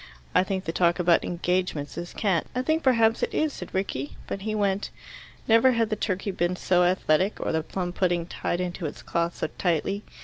I think the talk about 'engagements' is cant." "I think perhaps it is," said Rickie. But he went. Never had the turkey been so athletic, or the plum pudding tied into its cloth so tightly.